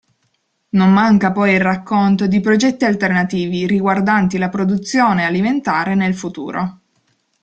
Non manca poi il racconto di progetti alternativi riguardanti la produzione alimentare nel futuro.